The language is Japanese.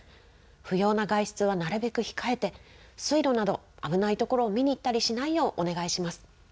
不要な外出はなるべく控えて、水路など危ないところを見に行ったりしないようお願いします。